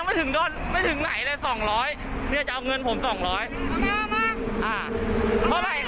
เมื่อกี้ผู้ชายพูดเท่าไร